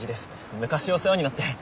昔お世話になって。